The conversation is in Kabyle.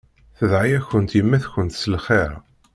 Tedɛa-yakent yemma-tkent s lxir.